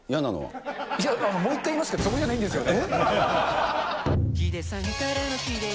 いや、もう一回言いますけど、そこじゃないんですよね。